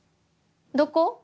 どこ？